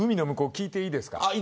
１つ、聞いていいですか。